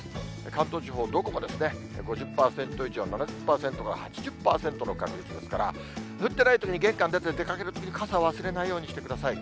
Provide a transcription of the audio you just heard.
関東地方どこもですね、５０％以上、７０％から８０％の確率ですから、降ってないときに玄関出て、出かけるときに傘忘れないようにしてください。